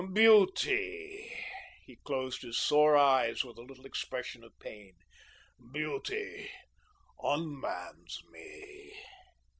Beauty," he closed his sore eyes with a little expression of pain, "beauty unmans me."